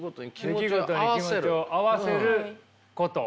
出来事に気持ちを合わせること。